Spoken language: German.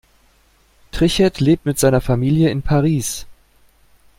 Trichet lebt mit seiner Familie in Paris.